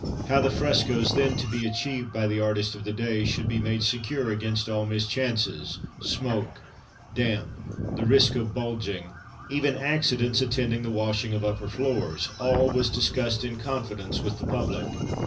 How the frescoes then to be achieved by the artists of the day should be made secure against all mischances smoke, damp, "the risk of bulging," even accidents attending the washing of upper floors all was discussed in confidence with the public.